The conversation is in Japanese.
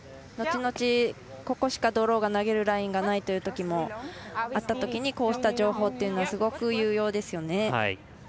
後々、ここしかドローが投げるラインがないというときもあったときにこうした情報というのはすごく有用ですよね。